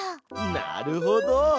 なるほど！